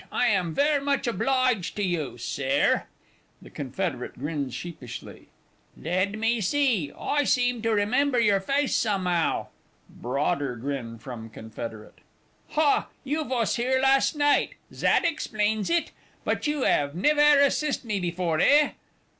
I am vair much oblige to you, Sare. (The Confederate grins sheepishly.) Led me see I seem to remember your face some'ow. (Broader grin from Confederate.) Hah you vos 'ere last night? zat exblains it! But you 'ave nevaire assist me befoor, eh?